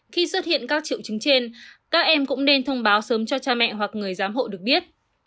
khi xuất hiện các triệu chứng trên các em cũng nên thông báo sớm cho cha mẹ hoặc người giám hộ được biết